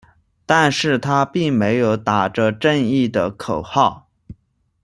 但是他并没有打着正义的名号。